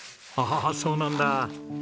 ああそうなんだ。